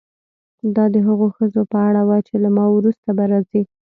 دا د هغو ښځو په اړه وه چې له ما وروسته به راځي.